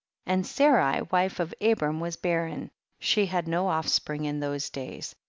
And Sarai wife of Abram was barren ; she had no offspring in those days.